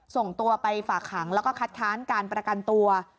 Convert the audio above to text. ส่งตัวไปฝากขังแล้วก็คัดค้านการประกันตัว